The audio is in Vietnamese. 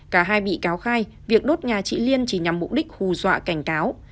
cả hai bị cáo khai việc đốt nhà chị liên chỉ nhằm mục đích hù dọa cảnh cáo